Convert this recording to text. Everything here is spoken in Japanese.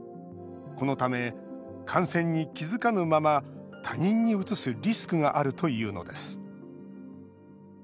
このため感染に気付かぬまま他人にうつすリスクがあるというのです。